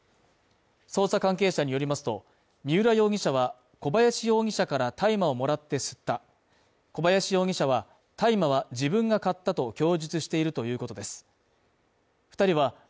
捜査関係者によりますと、三浦容疑者は小林容疑者から大麻をもらって吸った小林容疑者は大麻は自分が勝ったと供述しているということです。